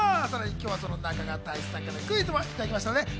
今日はその中川大志さんからクイズもいただきました。